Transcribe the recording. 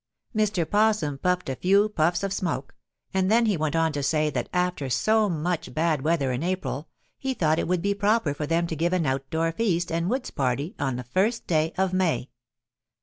Mr. 'Possum puffed a few puffs of smoke, and then he went on to say that after so much bad weather in April he thought it would be proper for them to give an outdoor feast and a woods party on the first day of May.